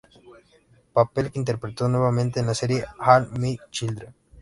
Papel que interpretó nuevamente en la serie All My Children.